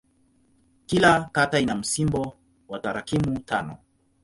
Kila kata ina msimbo wa tarakimu tano.